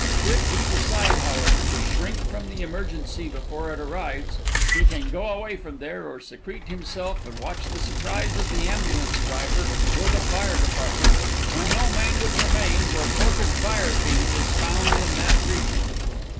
Should he decide, however, to shrink from the emergency before it arrives, he can go away from there, or secrete himself and watch the surprise of the ambulance driver or the fire department when no mangled remains or forked fire fiend is found in that region.